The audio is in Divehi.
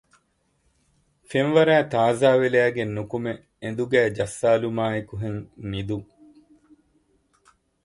ފެންވަރައި ތާޒާވެލައިގެން ނުކުމެ އެނދުގައި ޖައްސާލުމާއެކުހެން ނިދުން